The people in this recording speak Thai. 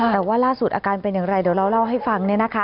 แต่ว่าล่าสุดอาการเป็นอย่างไรเดี๋ยวเราเล่าให้ฟังเนี่ยนะคะ